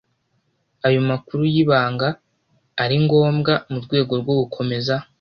ayo makuru y ibanga ari ngombwa mu rwego rwo gukomeza